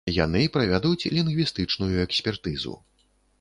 Яны правядуць лінгвістычную экспертызу.